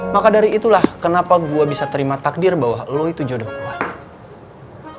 maka dari itulah kenapa gue bisa terima takdir bahwa lo itu jodoh allah